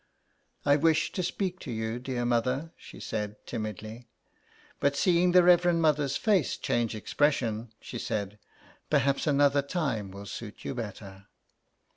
" I wish to speak to you, dear Mother," she said timidly. But seeing the Reverend Mother's face change expression, she said, " Perhaps another time will suit you better."